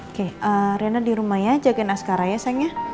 oke riana di rumah ya jagain askaraya sayangnya